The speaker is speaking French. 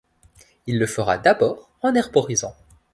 Il le fera d'abord en herborisant.